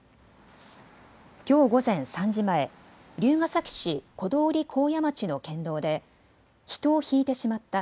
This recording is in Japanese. きょう午前３時前、龍ケ崎市小通幸谷町の県道で人をひいてしまった。